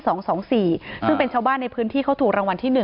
ซึ่งเป็นชาวบ้านในพื้นที่เขาถูกรางวัลที่๑